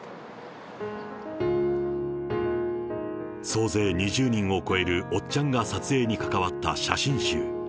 総勢２０人を超えるおっちゃんが撮影に関わった写真集。